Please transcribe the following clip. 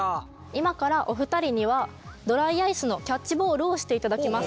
今からお二人にはドライアイスのキャッチボールをしていただきます。